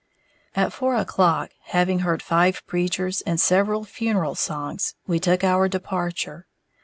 At four o'clock, having heard five preachers and several funeral songs, we took our departure.